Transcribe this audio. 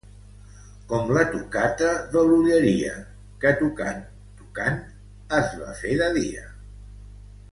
Com la tocata de l'Olleria, que, tocant, tocant, es va fer de dia.